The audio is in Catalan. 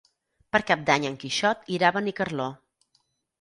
Per Cap d'Any en Quixot irà a Benicarló.